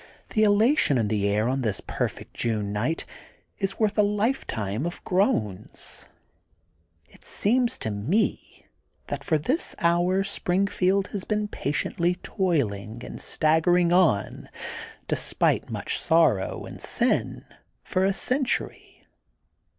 The elation in the air on this perfect June night is worth a lifetime of groans. It seems to me that for this hour Springfield has been patiently toiling and staggering on, de spite much sorrow and sin, for a century.